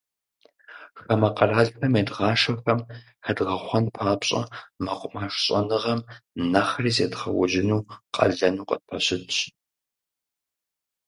Хамэ къэралхэм едгъашэхэм хэдгъэхъуэн папщӏэ, мэкъумэш щӏэныгъэм нэхъри зедгъэужьыну къалэну къытпэщытщ.